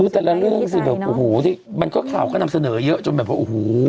แต่ละเรื่องสิแบบอูหูมันก็ข่าวก็นำเสนอเยอะจนแบบอูหู